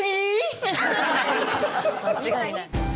間違いない。